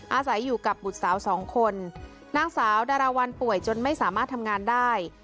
อาศัยอยู่กับบุตรสาวสองคนนางสาวดาราวันป่วยจนไม่สามารถทำงานได้